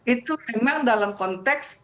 itu memang dalam konteks